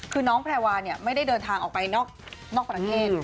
คือน้องแพรวาไม่ได้เดินทางออกไปนอกประเทศ